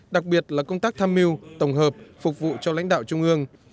đặc biệt là công tác tham mưu tổng hợp phục vụ cho lãnh đạo trung ương